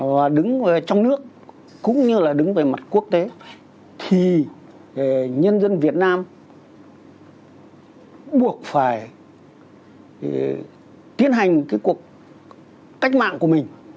và đứng trong nước cũng như là đứng về mặt quốc tế thì nhân dân việt nam buộc phải tiến hành cái cuộc cách mạng của mình